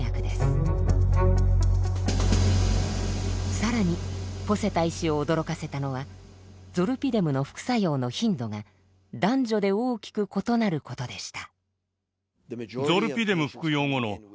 更にポセタ医師を驚かせたのはゾルピデムの副作用の頻度が男女で大きく異なることでした。